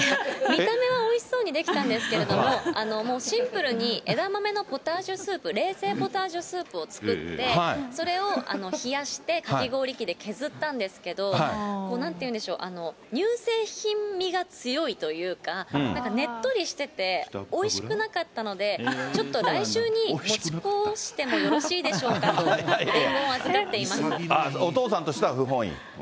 見た目はおいしそうに出来たんですけれども、もうシンプルに枝豆のポタージュスープ、冷製ポタージュスープを作って、それを冷やしてかき氷器で削ったんですけれども、もうなんていうんでしょう、乳製品みが強いというか、なんかねっとりしてて、おいしくなかったので、ちょっと来週に持ち越してもよろしいでしょうかと、お父さんとしては不本意。